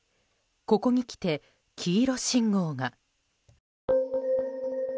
ここに来て黄色信号が。